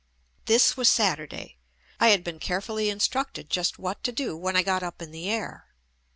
This was Sat urday. I had been carefully instructed just what to do when I got up in the air.